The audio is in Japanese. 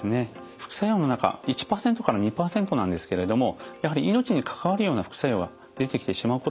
副作用の中１％から２％なんですけれどもやはり命に関わるような副作用が出てきてしまうことがあります。